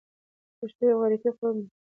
پښتون یو غیرتي قوم دی.